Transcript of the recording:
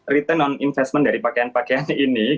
return on investment dari pakaian pakaian ini